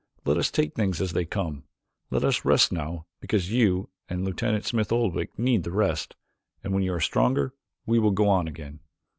Let us take things as they come. Let us rest now because you and Lieutenant Smith Oldwick need the rest, and when you are stronger we will go on again."